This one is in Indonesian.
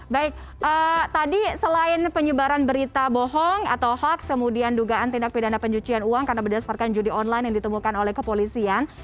baik tadi selain penyebaran berita bohong atau hoax kemudian dugaan tindak pidana pencucian uang karena berdasarkan judi online yang ditemukan oleh kepolisian